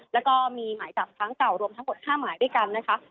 แล้วก็มีหมายจับครั้งเก่ารวมทั้งหมด๕หมายด้วยกันนะคะ